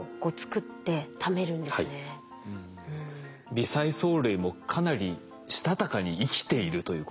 微細藻類もかなりしたたかに生きているということですね。